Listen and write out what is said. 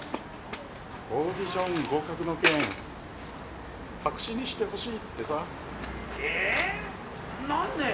オーディション合格の件白紙にしてほしいってさえぇ⁉なんで？